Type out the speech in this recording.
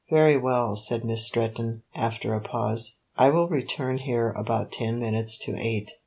"Very well," said Miss Stretton after a pause; "I will return here about ten minutes to eight."